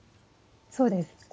そうです。